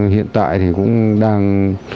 hiện tại thì cũng đang